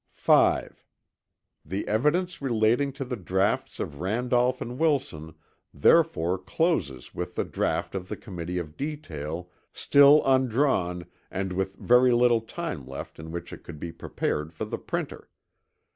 5. The evidence relating to the draughts of Randolph and Wilson therefore closes with the draught of the Committee of Detail still undrawn and with very little time left in which it could be prepared for the printer.